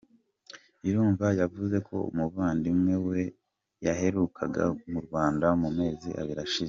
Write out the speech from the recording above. Irumva yavuze ko umuvandimwe we yaherukaga mu Rwanda mu mezi abiri ashize.